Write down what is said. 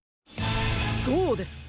そうです！